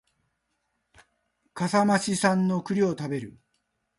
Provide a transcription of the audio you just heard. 笠間市産の栗を食べる